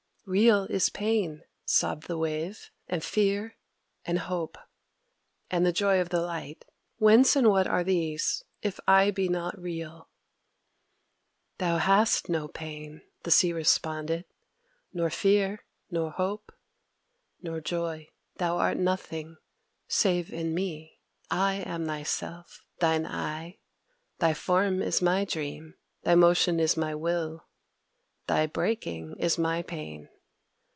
"Real is pain," sobbed the Wave, "and fear and hope, and the joy of the light. Whence and what are these, if I be not real?" "Thou hast no pain," the Sea responded, "nor fear nor hope nor joy. Thou art nothing save in me. I am thy Self, thine 'I': thy form is my dream; thy motion is my will; thy breaking is my pain.